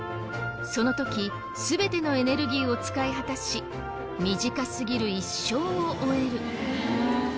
その時全てのエネルギーを使い果たし短すぎる一生を終える。